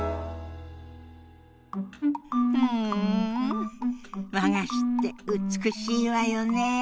うん和菓子って美しいわよね。